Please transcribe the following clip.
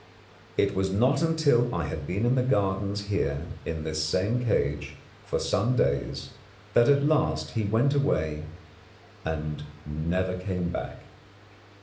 It was not until I had been in the gardens here, in this same cage, for some days that at last he went away and never came back.